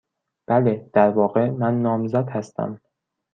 بله. در واقع، من نامزد هستم.